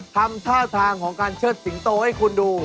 ทำท่าทางของการเชิดสิงโตให้คุณดู